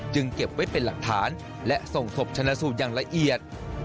เก็บไว้เป็นหลักฐานและส่งศพชนะสูตรอย่างละเอียด